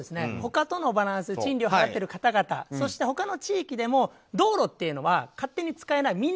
他とのバランス賃料を払ってる方々そして、他の地域でも道路というのは勝手に使えない。